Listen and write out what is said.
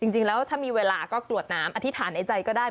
จริงแล้วถ้ามีเวลาก็กรวดน้ำอธิษฐานในใจก็ได้